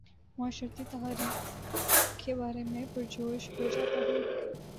معاشرتی تحاریک کے بارے میں پر جوش ہو جاتا ہوں